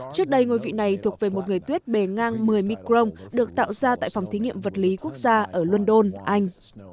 trước đây ngôi vị này thuộc về một người tuyết bề ngang một mươi micron được tạo ra tại phòng thí nghiệm vật lý quốc gia ở london anh